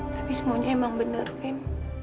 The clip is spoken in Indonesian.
tapi semuanya emang bener kan